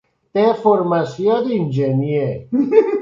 Té formació d'enginyer.